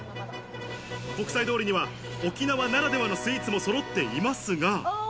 国際通りには沖縄ならではのスイーツもそろっていますが。